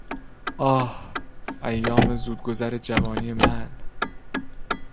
آه! ایام زودگذر جوانی من!